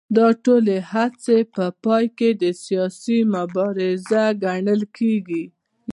دا ټولې هڅې په پای کې سیاسي مبارزه ګڼل کېږي